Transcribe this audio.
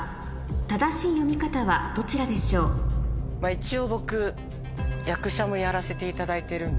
一応僕役者もやらせていただいてるんで。